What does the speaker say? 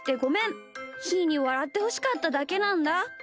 ひーにわらってほしかっただけなんだ。